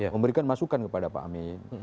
memberikan masukan kepada pak amin